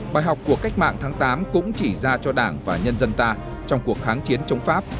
bài học của cách mạng tháng tám cũng chỉ ra cho đảng và nhân dân ta trong cuộc kháng chiến chống pháp